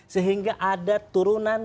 sehingga ada turunan